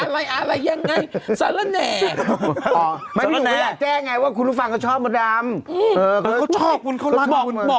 ว่าใช่เนี่ยฉันกำลังเล่าอยู่ว่ามันมีอะไรอะไรยังไง